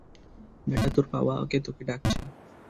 বেটা, তোর বাবাকে তোকে ডাকছে।